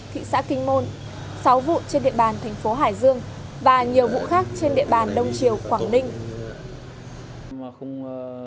thị xã kinh môn sáu vụ trên địa bàn thành phố hải dương và nhiều vụ khác trên địa bàn đông triều quảng ninh